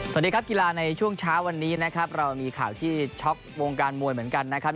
สวัสดีครับกีฬาในช่วงเช้าวันนี้นะครับเรามีข่าวที่ช็อกวงการมวยเหมือนกันนะครับ